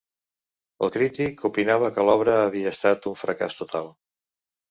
El crític opinava que l'obra havia estat un fracàs total.